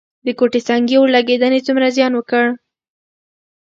د کوټه سنګي اورلګیدنې څومره زیان وکړ؟